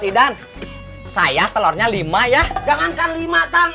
sebentar sebentar ya kang